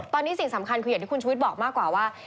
ตอนนี้สิ่งสำคัญคืออย่างที่คุณชุวิตบอกมากกว่าว่า